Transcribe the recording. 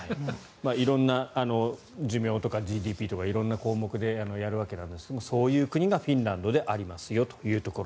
寿命とかＧＤＰとか色んな項目でやるわけですがそういう国がフィンランドでありますよと。